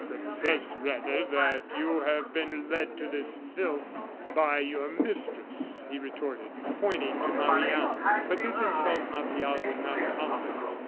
"Confess, rather, that you have been led into this filth by your mistress," he retorted, pointing to Marie Anne. But this insult Martial would not tolerate.